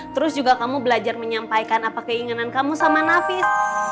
terus juga kamu belajar menyampaikan apa keinginan kamu sama nafis